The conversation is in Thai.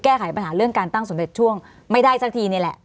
แก้ไขปัญหาเรื่องการตั้งสมเด็จช่วงไม่ได้สักทีนี่แหละ